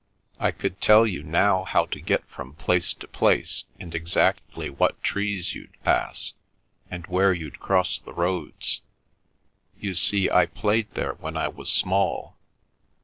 I could tell you now how to get from place to place, and exactly what trees you'd pass, and where you'd cross the roads. You see, I played there when I was small.